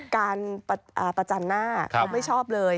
การประจันหน้าเขาไม่ชอบเลย